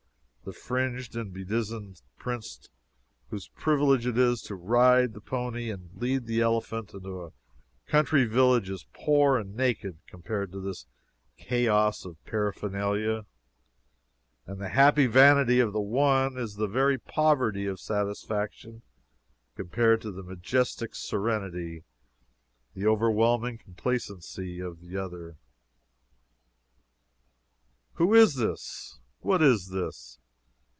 The fringed and bedizened prince whose privilege it is to ride the pony and lead the elephant into a country village is poor and naked compared to this chaos of paraphernalia, and the happy vanity of the one is the very poverty of satisfaction compared to the majestic serenity, the overwhelming complacency of the other. "Who is this? What is this?"